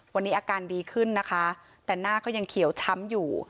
วันนี้อาการดีขึ้นนะคะแต่หน้าก็ยังเขียวช้ำอยู่